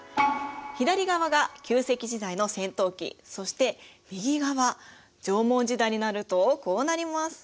左側が旧石器時代の尖頭器そして右側縄文時代になるとこうなります。